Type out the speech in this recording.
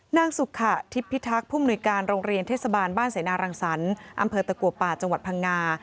นางสุขะทิพพิทักษ์ผู้มนุยการโรงเรียนเทศบาลบ้านเสนารังสรรค์อำเภอตะกัวป่าจังหวัดพังงา